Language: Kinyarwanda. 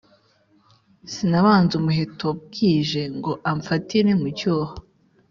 Sinabanze umuheto bwije, ngo amfatire mu cyuho